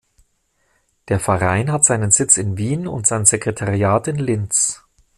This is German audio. Der Verein hat seinen Sitz in Wien und sein Sekretariat in Linz.